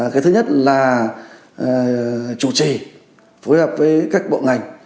cái thứ nhất là chủ trì phối hợp với các bộ ngành